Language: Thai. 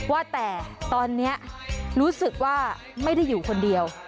ว่าแต่ตอนนี้รู้สึกว่าไม่ได้อยู่คนเดียว